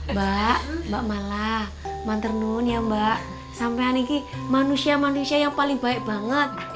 mbak mbak malah manternun ya mbak sampai haniki manusia manusia yang paling baik banget